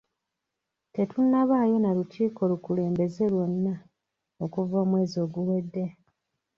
Tetunnabaayo na lukiiko lukulembeze lwonna okuva omwezi oguwedde.